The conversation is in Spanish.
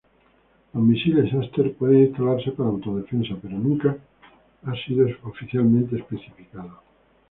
Los misiles Aster pueden instalarse para autodefensa, pero nunca ha sido oficialmente especificado.